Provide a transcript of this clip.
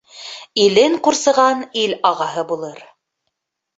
Илен ҡурсыған ил ағаһы булыр